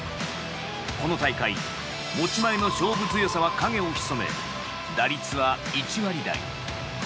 この大会、持ち前の勝負強さは影を潜め、打率は１割台。